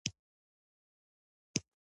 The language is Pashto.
پسه وږمه ده.